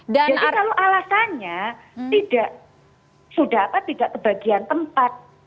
jadi kalau alasannya tidak sudah apa tidak kebagian tempat